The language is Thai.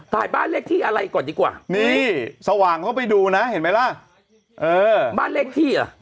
ถ่ายบ้านเลขที่อะไรก่อนดีกว่านี่สว่างเข้าไปดูนะเห็นไหมล่ะเออบ้านเลขที่เหรอ